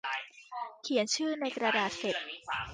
เขียนชื่อในกระดาษเสร็จ